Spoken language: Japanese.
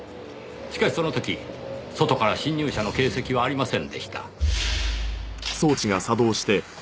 しかしその時外から侵入者の形跡はありませんでした。